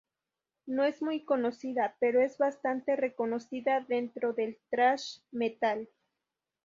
No es muy conocida pero es bastante reconocida dentro del thrash metal.